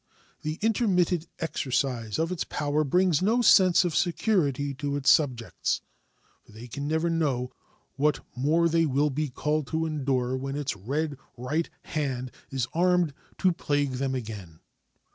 The intermitted exercise of its power brings no sense of security to its subjects, for they can never know what more they will be called to endure when its red right hand is armed to plague them again.